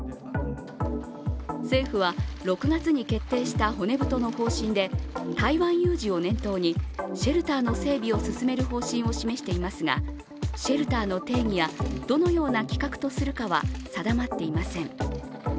政府は６月に決定した骨太の方針で台湾有事を念頭にシェルターの整備を進める方針を示していますが、シェルターの定義やどのような規格とするかは定まっていません。